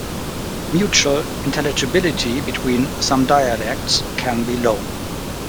Mutual intelligibility between some dialects can be low.